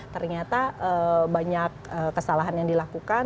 ternyata banyak kesalahan yang dilakukan